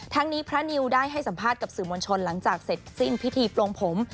นี้พระนิวได้ให้สัมภาษณ์กับสื่อมวลชนหลังจากเสร็จสิ้นพิธีปลงผม